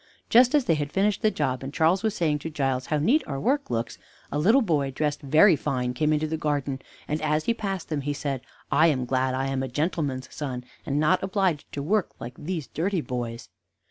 Just as they had finished the job, and Charles was saying to Giles, "How neat our work looks!" a little boy, dressed very fine, came into the garden, and, as he passed them, said: "I am glad I am a gentleman's son, and not obliged to work like these dirty boys."